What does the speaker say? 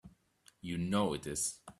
You know it is!